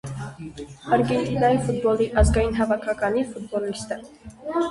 Արգենտինայի ֆուտբոլի ազգային հավաքականի ֆուտբոլիստ է։